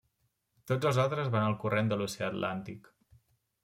Tots els altres van al corrent de l'oceà Atlàntic.